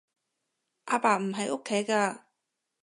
阿爸唔喺屋企㗎